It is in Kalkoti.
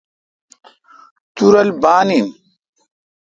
تورل بان این۔